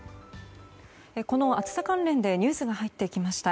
この暑さ関連でニュースが入ってきました。